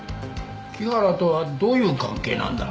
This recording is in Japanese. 木原とはどういう関係なんだ？